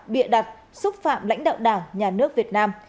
bịa đặt xúc phạm lãnh đạo đảng nhà nước việt nam